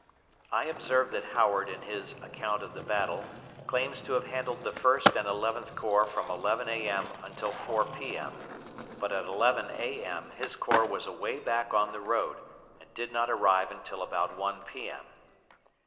I observe that Howard in his account of the battle claims to have handled the First and Eleventh Corps from 11 A.M. until 4 P.M.; but at 11 A.M. his corps was away back on the road, and did not arrive until about 1 P.M.